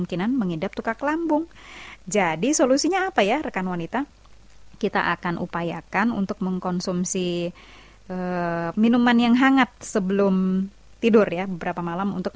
dan segera jawab doamu